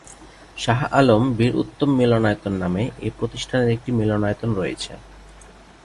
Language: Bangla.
শাহ আলম বীর উত্তম মিলনায়তন নামে এই প্রতিষ্ঠানের একটি মিলনায়তন রয়েছে।